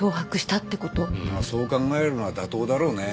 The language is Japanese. そう考えるのが妥当だろうね。